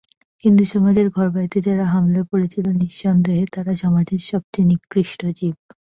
হিন্দু সমাজের ঘরবাড়িতে যারা হামলে পড়েছিল, নিঃসন্দেহে তারা সমাজের সবচেয়ে নিকৃষ্ট জীব।